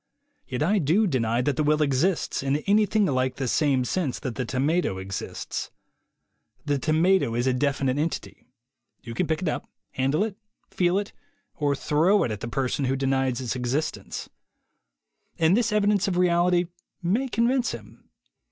Yet I do deny that the will exists, in anything like the same sense that the tomato exists. The tomato is a definite THE WAY TO WILL POWER 3 entity. You can pick it up, handle it, feel it, or throw it at the person who denies its existence. And this evidence of reality may convince him.